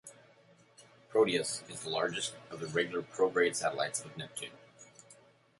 Proteus is the largest of the regular prograde satellites of Neptune.